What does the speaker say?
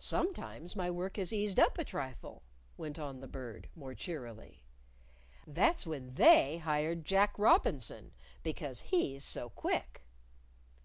"Sometimes my work has eased up a trifle," went on the Bird, more cheerily; "that's when They hired Jack Robinson, because he's so quick."